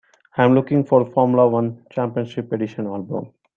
I'm looking for the Formula One Championship Edition album